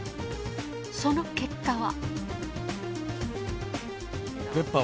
その結果は。